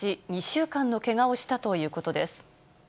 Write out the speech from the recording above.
２週間のけがをしたということです。